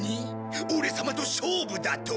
オレ様と勝負だと。